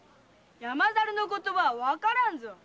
山猿の言葉はわからんぞ。